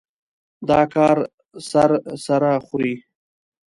دا کار سر سره خوري.